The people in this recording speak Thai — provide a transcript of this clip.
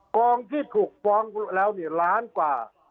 กองที่ถูกฟ้องแล้วเนี่ยล้านกว่า